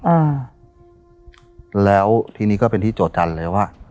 แล้วที่นี่ก็เป็นที่โจจารณ์เลยว่า